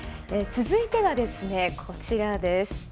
続いてはこちらです。